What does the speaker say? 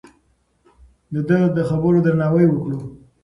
د ده د خبرو درناوی وکړو.